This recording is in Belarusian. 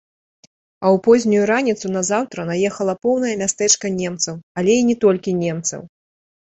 А ў познюю раніцу назаўтра наехала поўнае мястэчка немцаў, але і не толькі немцаў.